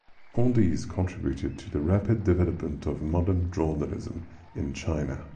All these contributed to the rapid development of modern journalism in China.